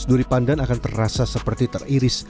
duri pandan akan terasa seperti teriris